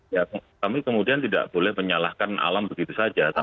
ya kami kemudian tidak boleh menyalahkan alam begitu saja